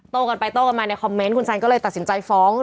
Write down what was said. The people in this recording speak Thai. กันไปโต้กันมาในคอมเมนต์คุณแซนก็เลยตัดสินใจฟ้อง